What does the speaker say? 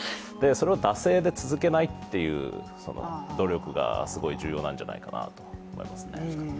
それを惰性で続けないっていう努力がすごい重要なんじゃないかなと思いますね。